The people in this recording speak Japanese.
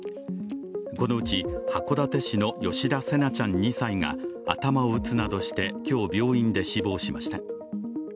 このうち、函館市の吉田成那ちゃん２歳が頭を打つなどして今日、病院で死亡しました。